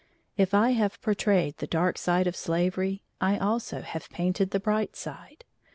If I have portrayed the dark side of slavery, I also have painted the bright side.